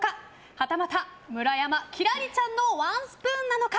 はたまた村山輝星ちゃんのワンスプーンなのか。